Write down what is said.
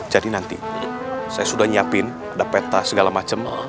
jadi nanti saya sudah nyiapin ada peta segala macem